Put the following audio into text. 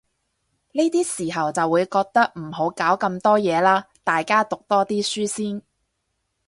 呢啲時候就會覺得，唔好搞咁多嘢喇，大家讀多啲書先